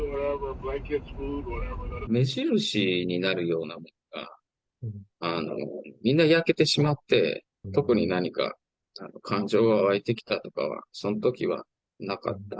目印になるようなものが、みんな焼けてしまって、特に何か感情が湧いてきたとかは、そのときはなかった。